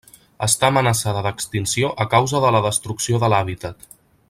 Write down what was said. Està amenaçada d'extinció a causa de la Destrucció de l'hàbitat.